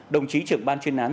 đồng chí trưởng ban chuyên án